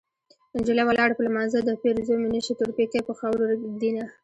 نجلۍ ولاړه په لمانځه ده پېرزو مې نشي تور پيکی په خاورو ږدينه